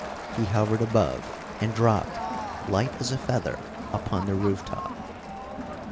He hovered above, and dropped, light as a feather, upon the rooftop.